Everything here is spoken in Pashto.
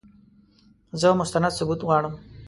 زه مستند ثبوت غواړم !